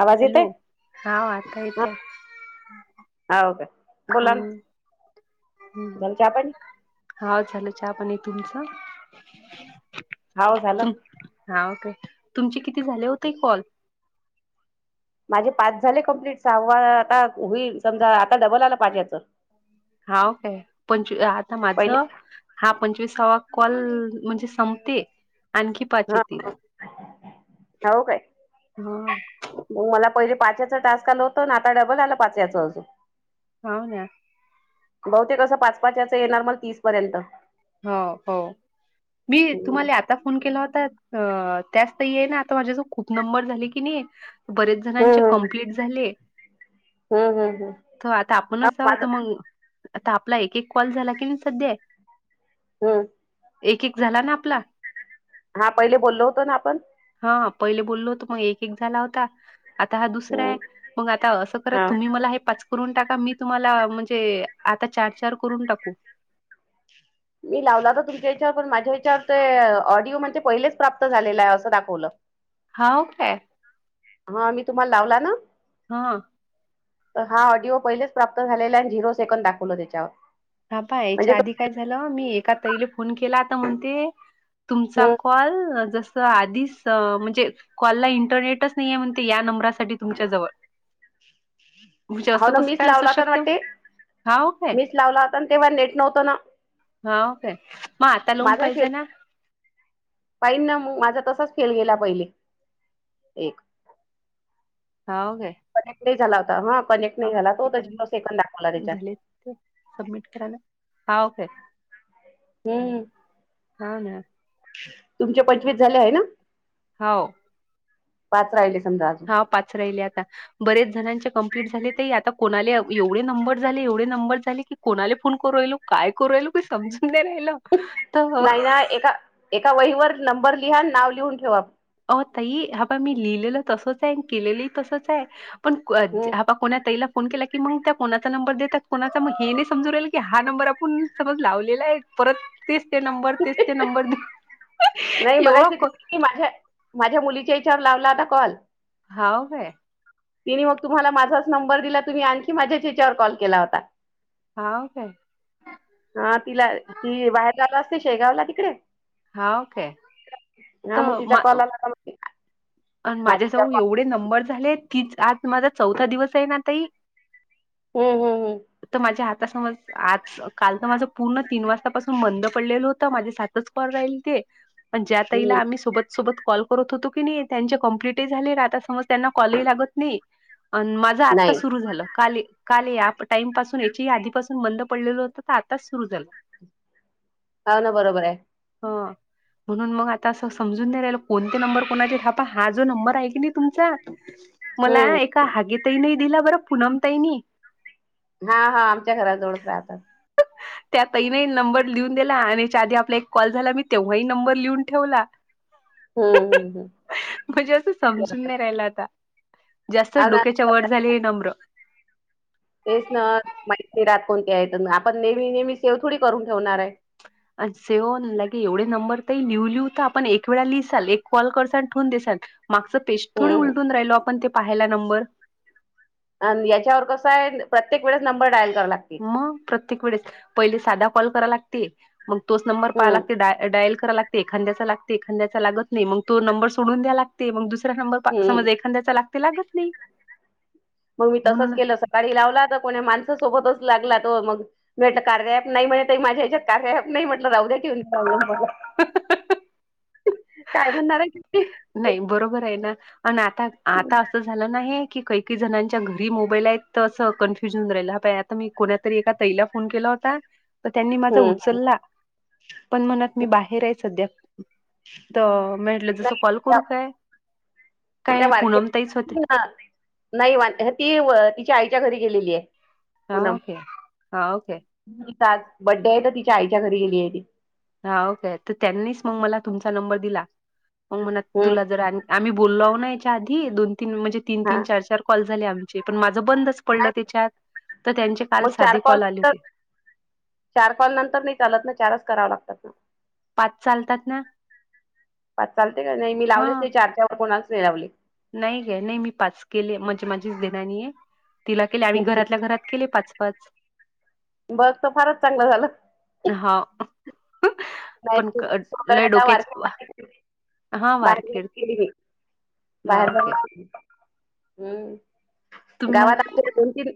आवाज येतय हॅलो हा आता येतोय. हाऊ का बोला ना. हम्म झालं चहा पाणी. हा झालं चहा पाणी तुमचं. हाव झालं. हा ओके तुमचे किती झाले हो ताई कॉल? माझे पाच झाले कंप्लीट सहावा आता होईल. समजा आता डबल आला पाहिजे होत. हाव काय पंचवी आता पहिले माझं. हा पंचविसावा कॉल म्हणजे संपते आणखी पाच हा. येतील हा. हाऊ काय? हा मग मला पहिले पाच्याचं टास्क आलं होतं ना, आता डबल आलं पाच्याचं अजून हो ना. बहुतेक असं पाच, पाचच येणार मग तीस पर्यंत. हो हो. मी हम्म तुम्हाला आता फोन केला होता, अ त्याच ताई या ना आता माझ्या जो खूप नंबर झाले की नाही बरेच जणांचे हम्म कंप्लीट झाले. हम्म हम्म तर आता हा आपणच माझं आहोत मग आता आपला एक एक कॉल झाला की नाही सध्य आहे. हा. एक एक झाला ना आपला. हा पहिले बोललो होतो ना आपण? हा पहिले बोललो होतो मग एक एक झाला होता आता हा दुसरा हम्म आहे. मग आता असं करा हा तुम्ही मला हे पाच करून टाका मी तुम्हाला म्हणजे आता चार चार करून टाकू. मी लावला होता तुमच्या हेच्यावर पण माझ्या हेच्यावर ते ऑडिओ म्हणते पहिलेच प्राप्त झालेला आहे असं दाखवलं. हाव काय? हा मी तुम्हाला लावला ना. हा. हा ऑडिओ पहिलेच प्राप्त झालेल्या आणि झिरो सेकंद दाखवलं त्याच्यावर. हा म्हणजे पाहाच्या तो आधी काय झालं, मी एका ताईला फोन केला आता म्हणते, तुमचा हं, कॉल जस आधीच म्हणजे कॉलला इंटरनेटच नाही आहेे म्हणते या नंबरासाठी तुमच्या जवळ. [unintelligible] होव ना कसं मीच काय असू लावला होता ना‌ शकते? वाटते, हां, काय? मीच लावला होता तेव्हा नेट नव्हतं ना. हाव काय? मग आता लावून माझाही फेल पाहिजे ना? पाहिनं ना‌ मग माझा तसाच फेल गेला पहिले एक. हाव काय? कनेक्ट नाही झाला होता, हा कनेक्ट हां, नाही झाला हे तो करा झिरो सेकंड दाखवला ना, त्याच्यात. झाले ते सबमिट करायला हा ओके. हम्म. हा ना. तुमचे पंचवीस झाले आहे ना? हो. पाच राहिले समजा पाच राहिले आता. बरेच जणांचे कंप्लीट झाले ताई आता कोणाले एवढे नंबर झाले एवढे नंबर झाले की कोणाले फोन करू राहिलो, काय करू राहिलो काय समजून नाय राहील. नाही ना एका एका वहीवर नंबर लिहा नाव लिहून ठेवा. ओ ताई हा पहा मी लिहिलेलं तसच आहे आणि केलेलं तसच आहे. पण क हम्म. जे हा पा कोण्या ताईला फोन केला की मग त्या कोणाचा नंबर देतात कोणाचा मग हे नाही समजू राहिल की हा नंबर आपूण समज लावलेला आहे. परत तेच ते नंबर, तेच ते नंबर [unintelligible] की माझे माझ्या मुलीच्या हेच्यावर लावला होता कॉल. हाव काय? तिने मग तुम्हाला माझाच नंबर दिला तुम्ही आणखी माझ्याच हेच्यावर कॉल केला होता. हाव काय? हा तिला ती बाहेर जात असते शेगावला तिकडे. हाव काय. हा मग तर तिचा मा कॉल आला का ब आणि माझ्याजवळ एवढे नंबर झालेत, तीच आज माझा चौथा दिवस आहे ना ताई. हम्म हम्म. हम्म तर माझ्या हातासमज आज काल तर माझं पूर्ण तीन वाजतापासून बंद पडलेलं होत माझे सातच कॉल राहिले ते. पण ज्या ताईला हम्म आम्ही सोबत सोबत कॉल करत होतो की नाही त्यांचे कंप्लिटही झाले आता समज त्यांना कॉल ही लागत नाही अन् माझं आत्ता नाही सुरू झालं. काली काल या टाइमपासून याच्याही आधीपासून बंद पडलेलं होतं, तर आताच सुरू झालं. [inaudible] हा ना बरोबर आहे. हा, म्हणून मग आता असं समजून नाही राहिलं. कोणते नंबर कोणाचे हा आता हा जो नंबर आहे की नाही तुमचा, मला हम्म एक का हागीत नाही दिला बरं पूनम ताई नी. हा हा आमच्या घराजवळच राहता. [unintelligible] त्या ताईने नंबर लिहून दिला आणि याच्या आधी आपला एक कॉल झाला. मी तेव्हाही नंबर लिहून ठेवला. हम्म हम्म हम्म. म्हणजे असं समजून बरोबर नाही राहिलं आता. जास्त आहे हो ना डोक्याच्या वर झाली हे नंबर. तेच ना माहित‌ नाही राहत कोणती आहे, तर आपण नेहमी नेहमी सेव थोडी करून ठेवणार आहे. से होन लागे एवढे नंबर त लिहू लिहू आपण एक वेळा लिहिसाल, एक कॉल करसाल आणि ठेवून देसाल. मागचं पेस्ट थोडी हम्म उलटून राहिलो आपण ते पाहायला नंबर. अ याच्यावर कसं आहे प्रत्येक वेळेस नंबर डायल करावं लागते. मग प्रत्येक वेळेस पहिले साधा कॉल करा लागते, मग तोच नंबर पहा हम्म लागते डायल कराय लाग एखाद्यांचा लागते एखाद्यांचा लागत नाही, मग तो नंबर सोडून द्याय लागते. मग दुसऱ्या नंबर हम्म समज एक खांद्याचा लागते लागत नाही. मग मी म्हणून तसंच केलं‌, सकाळी लावला तर कोणी माणससोबतच लागला तो. मग मी म्हटलं कार्या ॲप नाही म्हणे, ताई माझ्या याच्यात कार्या ॲप नाही म्हटलं राहू द्या. [unintelligible] [unintelligible] काय म्हणणार आहे की ती नाही बरोबर आहे ना, पण आता आता असं झालं ना हे. की काही काही जणांच्या घरी मोबाईल आहेत, तर असं कन्फ्युजन राहिलं. बाई आता मी कोणातरी एका ताईला फोन केला त्यांनी माझा हम्म उचलला पण, म्हणत मी बाहेर आहे सध्या. तर म्हटलं दुसरं नाही कॉल त्या करू काय? त्या काय वारके पूनम ताईच होते [unintelligible] नाही ती तिच्या आईच्या घरी गेलेली आहे. हा पूनम ओके, हा ओके. तिचा आज बड्डे आहे, तर तिच्या आईच्या घरी गेली आहे ती. हाव काय? तर त्यांनीच मग मला तुमचा नंबर दिला. मग म्हणत हम्म तुला जर आम्ही बोललो आहो ना याच्या आधी. दोन, तीन म्हणजे तीन हा तीन, चार चार कॉल झाले आमचे, पण माझं बंदच पडलं नाही त्याच्यात. तर त्यांचे काल मग चार साधे कॉल आले तर होते. चार कॉल नंतर नाही चालत ना, चारच करावं लागतात ना. पाच चालतात ना पाच चालते का नाही? मी हा लावलेच नाही चारच्या व कोणालाच नाही लावले. नाही काय नाही मी पाच केले म्हणजे माझीच देवरानी आहे. तिला केले आम्ही घरातल्या घरात केले पाच पाच. बघ तर फारच चांगलं झालं. हा. पण नाही लय सोदळ्याला डोक्याचे बा वारकरी हा वारखेड. हा बाहेर ओके बघा तुम्ही, हम्म तुम्ही गावात आपल्या दोन तीन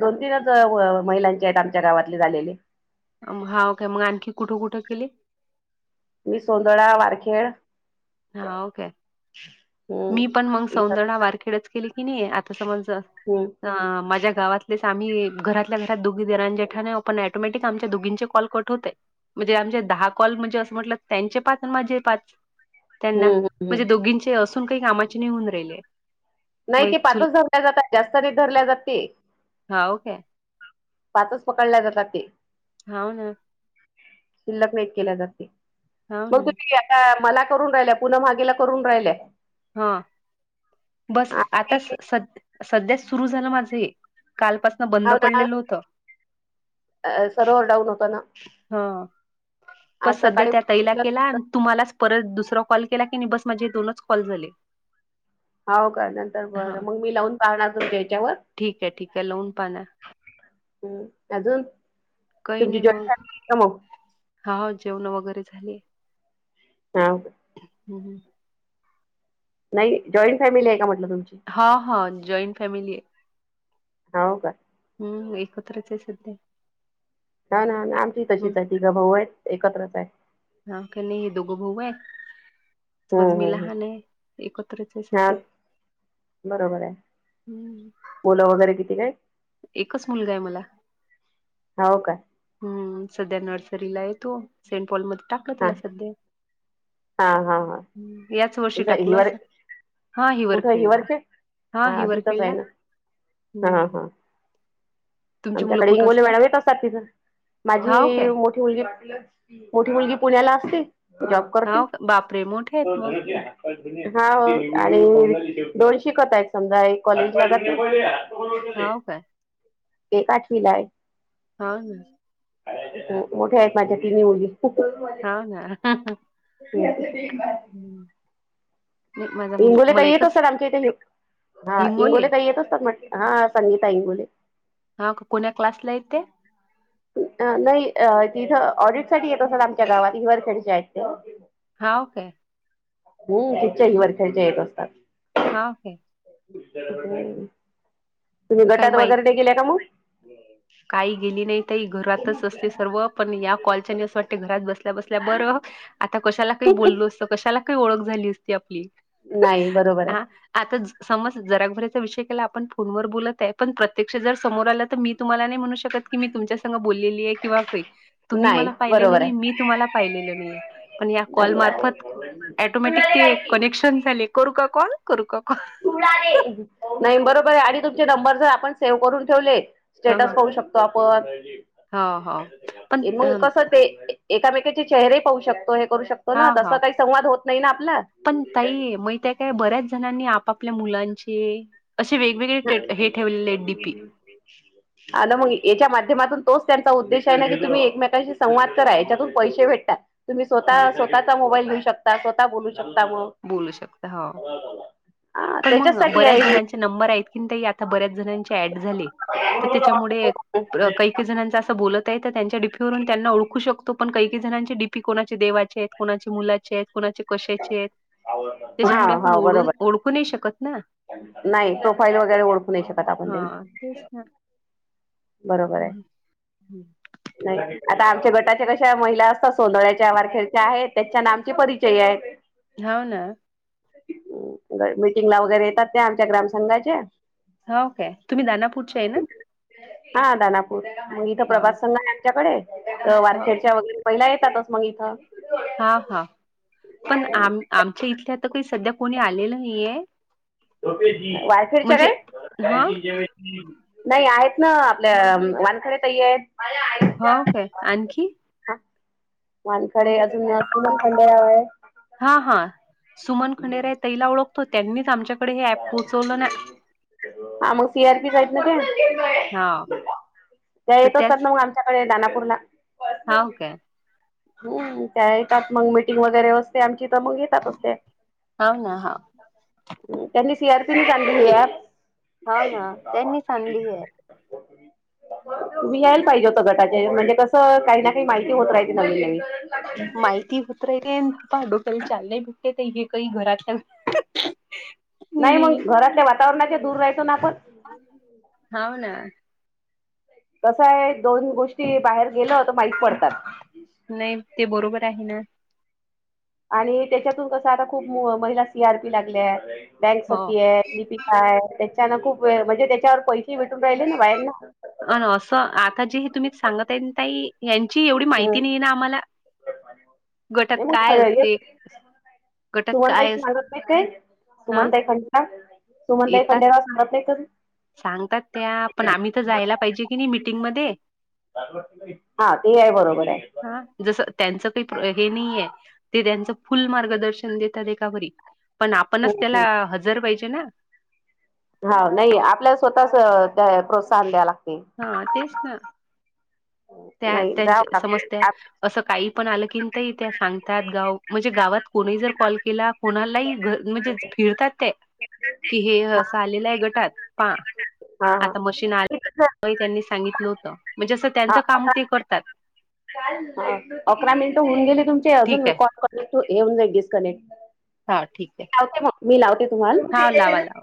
दोन, तीनच महिलांचे आहेत आमच्या गावातले झालेले. हाव काय मग आणखी कुठं कुठं केले? मी सोंदडा, वारखेड हाव काय? मी पण मग हम्म सौंदडा वारखेडच केले की नाही. आता समज हम्म अं माझ्या गावातलेच आम्ही घरातल्या घरात दोघी देवराण्या जेठाण्या आहोत, ‌ पण अटोमॅटिक आमच्या दोघींचे कॉल कट होतंय म्हणजे आमचे दहा कॉल म्हणजे असं म्हटलं त्यांचे पाच आणि माझे पाच. त्यांना हम्म हम्म म्हणजे दोघींचे असून काही कामाचे नाही होऊन राहिले. नाही मग ते एक पाच चूल धरल्या जातात, जास्त नाहीत ते धरल्या जात ते. हाव काय? पाचच पकडल्या जातात ते. हो ना. शिल्लक नाहीत केल्या जाते. हाव मग ना. तुम्ही मला करून राहिल्या, पुन्हा मागेला करून राहिल्या. हा. बस आता स आणि स सध्या सुरू झालं माझे कालपास हो ना. सर ओरडाऊन होत ना. हा पण आज सध्या सकाळी त्या ताईला केला. आण तुम्हालाच परत दुसरा कॉल केला की नाही, बस माझे दोनच कॉल झाले. हो का? नंतर हा बरं मग मी लावून पाहणार होते त्याच्यावर. ठीक आहे ठीक आहे लावून पाना हम्म, अजून काही तुमची नाही जॉईंट मग फॅमिली आहे का मग? हा जेवणं वगैरे झाले. हा. ‌ हम्म हम्म. नाही जॉईंट फॅमिली आहे का म्हटलं तुमची? हा हा जॉईंट फॅमिली आहे. हो का? हम्म एकत्रच आहे सध्या. हा ना. आणि आमची ह तशीच आहे, तिघं भाऊ आहेत एकत्रच आहे. हा काही नाही हे दोघ भाऊ आहे. हम्म समज मी हम्म लहान आहे, एकत्रच आहे हम्म हा सध्या. बरोबर आहे. हम्म मुलं वगैरे किती क हायत? एकच मुलगा आहे मला. हाव काय? हम्म, सध्या नर्सरीला आहे तो. सेंट पॉलमध्ये टाकलं हा त्याला सध्या. हा हा हा. हम्म, याच वर्षी [unintelligible] टाकलं इवर असं. हा हिवर कुठ खेळला हिवरचे, हा हिवर तिथंच आहे खेळला ना? हा हम्म हा. तुमची मुलं आमच्याकडे कुठं इंगोले मॅडम येत असतात तिथं, हाव माझी काय? मग [unintelligible] मोठी मुलगी पुण्याला असते. तु जॉब करतीस? हाव का? बापरे! मोठे आहेत मग. हाव आणि दोन शिकत आहेत समजा, एक कॉलेजला जाती. हाव [inaudible] काय? एक आठवीला हाय. हो ना. मोठे आहेत माझ्या तिन्ही मुली. हो ना. ते ते [unintelligible] हम्म. इंगोले ताई येत एकच असतात आमच्या इथे, हा हिंगोली? इंगोले ताई येत असतात म्हंटले. हा संगीता इंगोले. हा कोण्या क्लासला येते? नाही अ ते इथं ऑडिटसाठी येत असतात आमच्या गावात. हिवरखेडच्या आहेत त्या. हाव काय. हम्म तिच्याही वरखेडचे येत असतात. हा काय? तुम्ही काही गटात माहीत वगैरे ते गेले का मग? काही गेली नाही तई घरातच असते सर्व पण या कॉलच्यानी असं वाटते घरात बसल्या बसल्या बरं. आता कशाला काही बोललो असतो कशाला काही ओळख झाली असती आपली. नाही, बरोबर आहे. हा आता समज [unintelligible] विषय केला आपण फोनवर बोलत आहे, पण प्रत्यक्ष जर समोर आलं तर मी तुम्हाला नाही म्हणू शकत की मी तुमच्या संग बोललेली आहे. तुम्ही नाही मला पाहिले बरोबर नाही, आहे. मी तुम्हाला पाहिलं नाही पण. या कॉल मार्फत ऑटोमॅटिक ते नाही. कनेक्शन झाले करू का कॉल? करू का कॉल? नाही बरोबर आहे आणि तुमचे नंबर जर आपण सेव्ह करून ठेवले ह स्टेटस पाहू शकतो. ह हो पण [unintelligible] मग अं, कस ते. एकामेकीचे चेहरे पाहू शकतो हे करू शकतो हा ना, तसं हा काही संवाद होत नाही ना आपला. पण ताई माहीतेय काय बऱ्याच जणांनी आपापल्या मुलांचे असे वेगवेगळे हे ठेवलेले आहेत डीपी. अ मग याच्या माध्यमातून तोच त्यांचा उद्देश आहे ना की, तुम्ही एकमेकांशी संवाद करा याच्यातून पैसे भेटतात. तुम्ही हा स्वतः स्वतःचा मोबाईल घेऊ शकता, स्वतः बोलू शकता मग. बोलू शकता हो हा पण मग त्याच्याचसाठी बऱ्याच आहे ही जणांची नंबर आय थिंक ताई आता बऱ्याच जणांची ऍड झाले. तर त्याच्यामुळे काही काही जणांच असं बोलत त्यांच्या डीपीवरून त्यांना ओळखू शकतो. पण काही कही जणांची डीपी कोणाचे देवाचे आहेत, कोणाचे मुलाचे आहेत. कोणाचे कशाचे आहेत? हाव त्याच्यामुळे आपण ओढून ओळखू नाही शकत ना. नाही प्रोफाईल वगैरे ओळखू नाही शकत आपण त्यांनी. हा तेच ना. बरोबर आहे. नाही आता आमच्या गटाच्या कशा महिला असतात सोनळ्याच्या वारखेरच्या आहेत त्याच्या नामचे परिचय आहेत. हाव ना. मिीटिंग ला वगैरे येतात त्या आमच्या ग्रामसंघाच्या. हाऊ काय तुम्ही दानापूरच्या आहे ना? हा दानापूर मग इथं हा. प्रभास संघ आहे, आमच्याकडे तर ह वारखेडच्या वगैरे. पहिला येतातच मग इथं. हा हा पण आम-आमच्या इथल्या आता काही सध्या कोणी आलेलं नाहीे. वारकरी च्या हा काय? नाही आहेत ना आपल्या वानखड्या ताई आहेत. हो काय आणखी? वानखडे अजून अस सुमन खंडेराय हाय. हा हा सुमन खंडेराय ताई ओळखतो, त्यांनीच आमच्याकडे हे ऍप पोहोचवलं ना. हा मग सी आर पी च आहेत ना हा त्या तर येतात असतात ना मग आम तुमच्याकडे दानापूरला. हा ओ काय? हम्म. त्या येतात मग मीटिंग वगैरे असते. आमची तर मग येतातच त्या. हाव ना हा त्यांनी सी आर पी निच आणली ही ॲप. हा ना त्यांनी आणली ही. तुम्ही यायला पाहिजे होत गटाचे म्हणजे कसं, काही ना काही माहिती होत राहि [unintelligible] माहिती होत राहिते डोकयाला चाल नाहीय भेटले हे काही घरात. नाही मग घरातल्या वातावरणात दूर राहायचो ना आपण. हाव ना. कसं आहे दोन्ही गोष्टी बाहेर गेल तर माहीत पडतात. नाही ते बरोबर आहे ना. आणि त्यांच्यातून आता खूप महिला सी आर पी लागल्या आहेत, बँक हो सखी आहे, लिपिक काय त्याच्यान खूप वेळ म्हणजे त्याच्यावर पैसे भेटून राहिले ना बाहेरन. अ असं आता जे हे तुम्ही सांगत आहे ना ताई यांची एवढी माहिती नाही ना आम्हाला. गटात [unintelligible] काय खर असते [unintelligible] गटात सुमनताई काय अस सांगत नाही काय, हा सुमनताई खंडेराय सुमनताई येतात खंडेराय सांगत नाही कधी? सांगतात त्या पण आम्ही तर जायला पाहिजे की नाही मीटिंगमध्ये? हा ते आहे बरोबर. आहे हा जसं त्यांचं काही हे नाहीये ते त्यांचं फुल मार्गदर्शन देतात एकावरी पण आपणच हम्म त्याला हजर पाहिजे ना? हा नाही आपल्याला स्वतःच त्या प्रोत्साहन द्या लागते. हा तेच ना. त्या नाही त्यांच्या जावं समजत्या लागत असं काही पण आलं की, ताई त्या सांगतात गाव म्हणजे गावात कोणी जर कॉल केला कोणालाही घर म्हणजे फिरतात ते. कि हे अस आलेलं आहे गटात पहा, हा हा आता मशीन आ होय त्यांनी सांगितलं होतं म्हणजे असं हा त्यांचं काम ते करतात. हा अकरा मिनिट होऊन गेले तुमचे ठीक अजून आहे कॉल [unintelligible] जाई डिस्कनेक्ट. हा ठीक आहे. लावते मग मी लावते हा लावा तुम्हाला. लावा